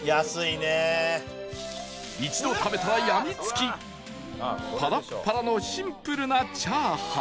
一度食べたらやみつきパラッパラのシンプルなチャーハン